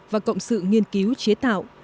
và cộng sự nghiên cứu chế tạo